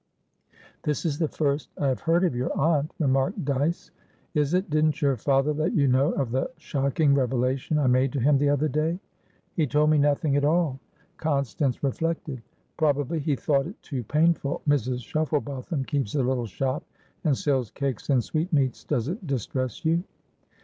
"This is the first I have heard of your aunt," remarked Dyce. "Is it? Didn't your father let you know of the shocking revelation I made to him the other day?" "He told me nothing at all." Constance reflected. "Probably he thought it too painful. Mrs. Shufflebotham keeps a little shop, and sells cakes and sweetmeats. Does it distress you?"